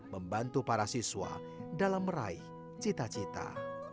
membantu para siswa dalam meraih cita cita